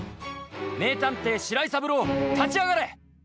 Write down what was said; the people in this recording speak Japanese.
名探偵、白井三郎立ち上がれ。